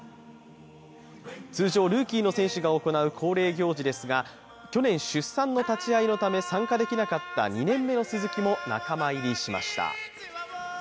通常、ルーキーの選手が行う恒例行事ですが去年、出産の立ち会いのため参加できなかった２年目の鈴木も仲間入りしました。